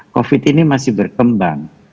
covid ini masih berkembang